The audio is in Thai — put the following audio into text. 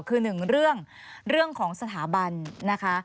คือหนึ่งเรื่องของสถาบันนะคะ